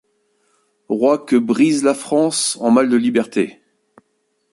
Roi que brise la France en mal de liberté